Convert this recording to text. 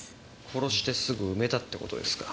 殺してすぐ埋めたって事ですか。